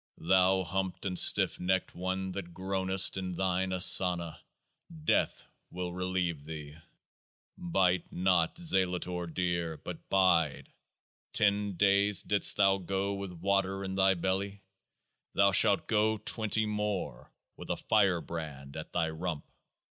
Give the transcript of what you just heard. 36 Thou humped and stiff necked one that groanest in Thine Asana, death will relieve thee ! Bite not, Zelator dear, but bide ! Ten days didst thou go with water in thy belly? Thou shalt go twenty more with a firebrand at thy rump